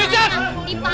keluar pak wicak